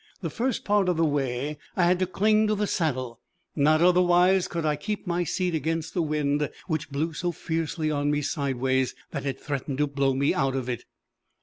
The first part of the way, I had to cling to the saddle: not otherwise could I keep my seat against the wind, which blew so fiercely on me sideways, that it threatened to blow me out of it.